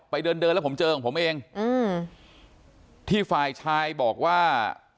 เดินเดินแล้วผมเจอของผมเองอืมที่ฝ่ายชายบอกว่า